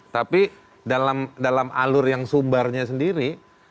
tapi dalam alur yang sumbarnya sendiri